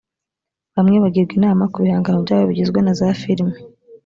bamwe bagirwa inama ku bihangano byabo bigizwe na za filimi